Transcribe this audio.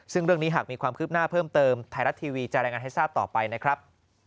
ซึ่งเรื่องนี้หากมีความคืบหน้าเพิ่มเติมไทยรัฐทีวีจะรายงานให้ทราบต่อไปนะครับ